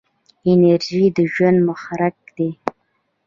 انرژي د ژوند محرک دی.